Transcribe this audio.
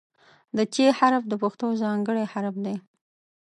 د "چ" حرف د پښتو ځانګړی حرف دی.